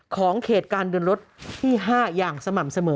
ของเขตการเดินรถที่๕อย่างสม่ำเสมอ